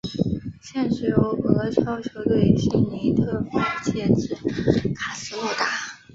现时由俄超球队辛尼特外借至卡斯洛达。